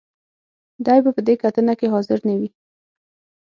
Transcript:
دې به په دې کتنه کې حاضر نه وي.